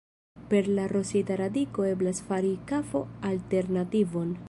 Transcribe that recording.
Per la rostita radiko eblas fari kafo-alternativon.